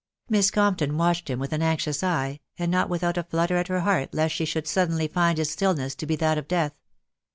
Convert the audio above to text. Miss Compton watched him with an anxious eye, and not without a flutter at her heart lest she should suddenly find this stillness to be that of death.